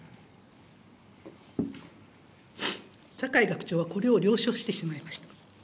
酒井学長はこれを了承してしまいました。